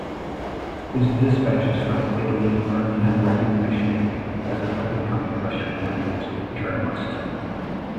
His dispatches from Italy earned him recognition as an up-and-coming Russian-language journalist.